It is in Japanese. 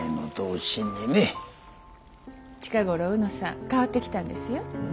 近頃卯之さん変わってきたんですよ。